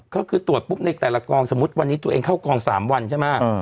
ก็คือตรวจปุ๊บในแต่ละกองสมมุติวันนี้ตัวเองเข้ากอง๓วันใช่ไหม